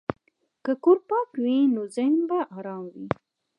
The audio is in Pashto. که کور پاک وي، نو ذهن به ارام وي.